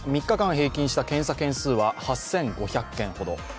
３日間平均した検査件数は８５００件ほど。